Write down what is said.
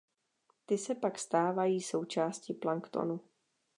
Ty se pak stávají součástí planktonu.